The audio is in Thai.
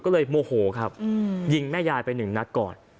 ก็เลยโมโหครับยิงแม่ยายไปหนึ่งนัดก่อน